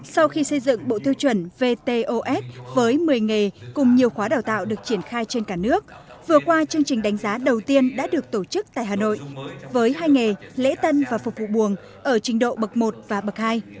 sau khi xây dựng bộ tiêu chuẩn vtos với một mươi nghề cùng nhiều khóa đào tạo được triển khai trên cả nước vừa qua chương trình đánh giá đầu tiên đã được tổ chức tại hà nội với hai nghề lễ tân và phục vụ buồng ở trình độ bậc một và bậc hai